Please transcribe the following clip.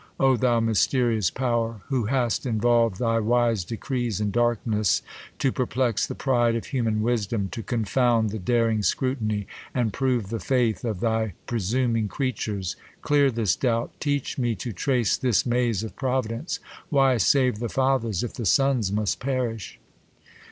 O thou mysterious Pow'r ! who hast involved Thy wise decrees in darkness, to perplex The pride of human wisdom, to confound The daring scrutiny, and prove the fftith Of thy presuming creatures ! clear this doubt j Teach me to trace this maze of Providence ; Why save the fathers, if the sons must perish